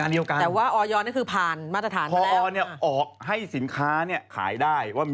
ไปขอขอออมีสารอันตรายไหม